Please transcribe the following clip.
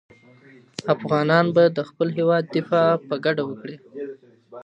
افغانان به د خپل هېواد دفاع په ګډه وکړي.